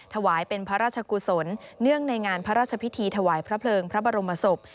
ถวายเป็นพระราชกุศลเนื่องในงานพระราชพิธีถวายพระเพลิงพระบรมศพ